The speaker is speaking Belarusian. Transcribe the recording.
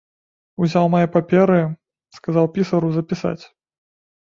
Узяў мае паперы, сказаў пісару запісаць.